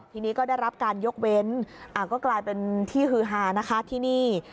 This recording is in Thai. ทีนี้ก็ได้รับการยกเว้นก็กลายเป็นที่ฮือฮานะคะที่นี่